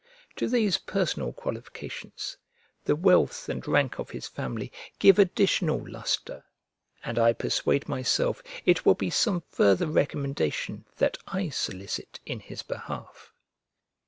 To these personal qualifications, the wealth and rank of his family give additional lustre; and I persuade myself it will be some further recommendation that I solicit in his behalf.